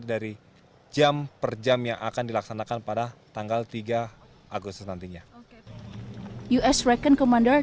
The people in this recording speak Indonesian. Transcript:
dari jam per jam yang akan dilaksanakan pada tanggal tiga agustus nantinya us recon commander